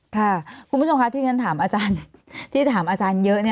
ค่ะคุณผู้ชมคะที่ฉันถามอาจารย์เยอะ